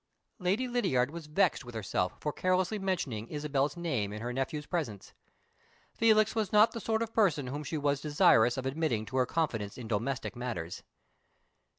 Lady Lydiard was vexed with herself for carelessly mentioning Isabel's name in her nephew's presence. Felix was not the sort of person whom she was desirous of admitting to her confidence in domestic matters.